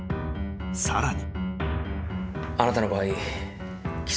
［さらに］